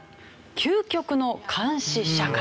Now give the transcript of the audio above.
究極の監視社会。